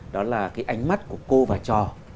đó là cái ánh mắt của cô và trò